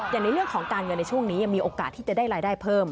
ในเรื่องของการเงินในช่วงนี้ยังมีโอกาสที่จะได้รายได้เพิ่ม